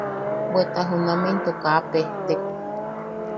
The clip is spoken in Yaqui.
Bweta junameʼe into kaa pejtek.